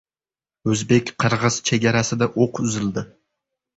O‘zbek-qirg‘iz chegarasida o‘q uzildi